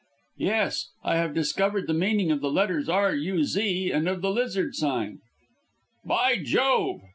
"Yes. I have discovered the meaning of the letters R. U. Z., and of the lizard sign." "By Jove!"